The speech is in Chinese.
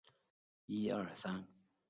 他也被选为法兰西学会的院士。